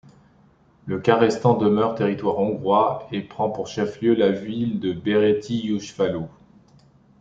Le quart restant demeure territoire hongrois et prend pour chef-lieu la ville de Berettyóújfalu.